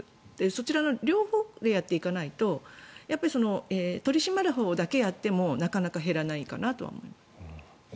そちらの両方でやっていかないと取り締まるほうだけやってもなかなか減らないかなとは思います。